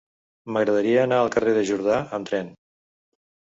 M'agradaria anar al carrer de Jordà amb tren.